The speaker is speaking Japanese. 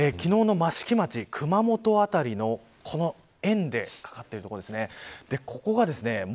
昨日の益城町熊本辺りの円でかかっているところですね。